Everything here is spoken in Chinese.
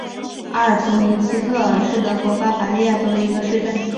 阿尔滕明斯特尔是德国巴伐利亚州的一个市镇。